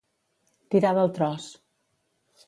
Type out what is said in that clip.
Tirar del tros.